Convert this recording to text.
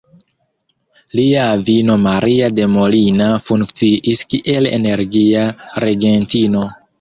Lia avino Maria de Molina funkciis kiel energia regentino.